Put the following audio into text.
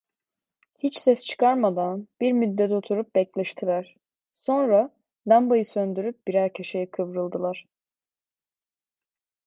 Hiç ses çıkarmadan bir müddet oturup bekleştiler, sonra lambayı söndürüp birer köşeye kıvnldılar.